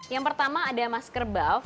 yang pertama ada masker buff